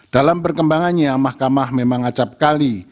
halaman delapan belas sembilan belas dianggap telah dibacakan